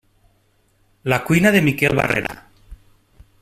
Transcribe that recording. La cuina de Miquel Barrera.